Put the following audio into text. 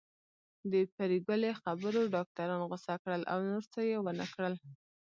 د پري ګلې خبرو ډاکټران غوسه کړل او نور څه يې ونکړل